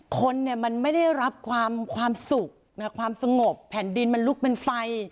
คนเนี่ยมันไม่ได้รับความสุขความสงบแผ่นดินมันลุกเป็นไฟ